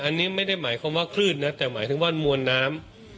อันนี้ไม่ได้หมายความว่าคลื่นนะแต่หมายถึงว่ามวลน้ำ